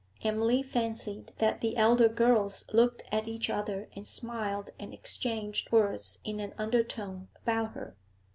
Emily fancied that the elder girls looked at each other and smiled and exchanged words in an undertone about her.